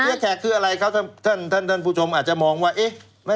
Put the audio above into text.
เชียร์แขกคืออะไรครับท่านผู้ชมอาจจะมองว่า